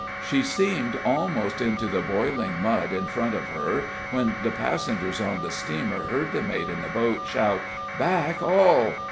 She seemed almost into the boiling mud in front of her when the passengers on the steamer heard the mate in the boat shout: "Back all!"